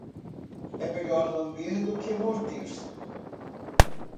É melhor lamber do que morder.